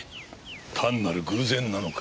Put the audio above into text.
単なる偶然なのか。